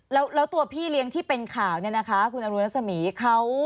แล้วตัวพี่เลี้ยงที่เป็นข่าวเนี่ยนะคะคุณอรุณรัศมีร์เขา